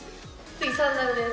次サンダルです。